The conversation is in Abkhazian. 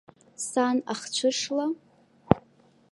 Сан ахцәышла?